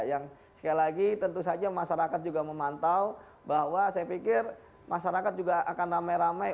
yang sekali lagi tentu saja masyarakat juga memantau bahwa saya pikir masyarakat juga akan ramai ramai